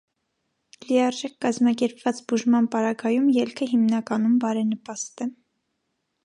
Լիարժեք կազմակերպված բուժման պարագայում ելքը հիմնականում բարենպաստ է։